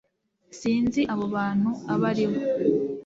sinzi abo bantu abo ari bo